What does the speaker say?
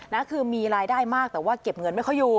นะคือมีรายได้มากแต่ว่าเก็บเงินไม่ค่อยอยู่